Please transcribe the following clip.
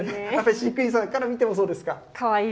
飼育員さんから見ても、そうですか。